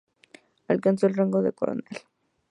Alcanzó el rango de coronel.